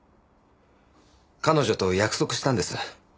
彼女と約束したんです。